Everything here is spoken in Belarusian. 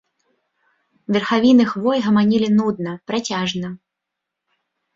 Верхавіны хвой гаманілі нудна, працяжна.